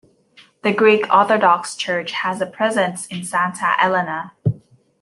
The Greek Orthodox Church has a presence in Santa Elena.